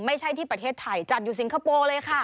ไม่ใช่ที่ประเทศไทยจัดอยู่สิงคโปร์เลยค่ะ